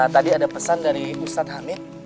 tadi ada pesan dari ustadz hamid